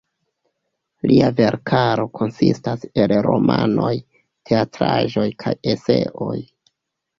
Lia verkaro konsistas el romanoj, teatraĵoj kaj eseoj.